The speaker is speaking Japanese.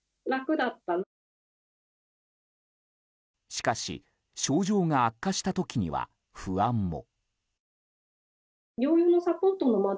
しかし、症状が悪化した時には不安も。